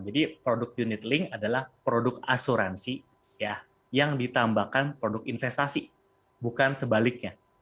jadi produk unitlink adalah produk asuransi yang ditambahkan produk investasi bukan sebaliknya